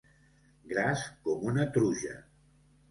Gras com una truja.